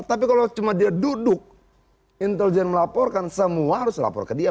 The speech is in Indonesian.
tapi kalau cuma dia duduk intelijen melaporkan semua harus lapor ke dia